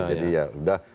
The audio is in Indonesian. jadi ya udah